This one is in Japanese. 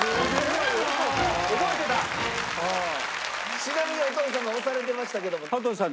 ちなみにお父様押されてましたけども。